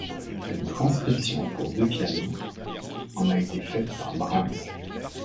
Une transcription pour deux pianos en a été faite par Brahms.